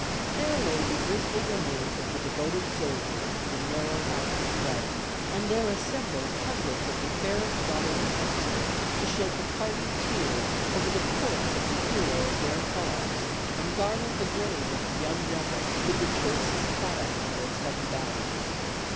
There lay the earthly remains of the devoted soldier in the narrow house of clay, and there assembled hundreds of the fairest daughters of Huntsville to shed the parting tear over the corpse of the hero of their cause and garland the grave of the young rebel with the choicest products of their sunny bowers.